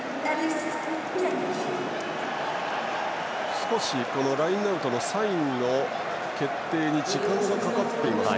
少しラインアウトのサインの決定に時間がかかっていましたか。